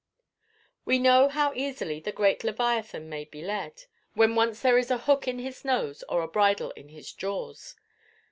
We know how easily the great Leviathan may be led, when once there is a hook in his nose or a bridle in his jaws.